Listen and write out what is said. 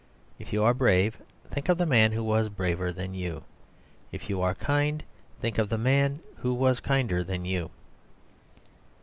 If you are brave, think of the man who was braver than you. If you are kind, think of the man who was kinder than you.